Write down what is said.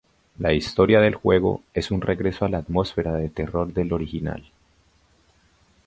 La historia del juego es un regreso a la atmósfera de terror del original.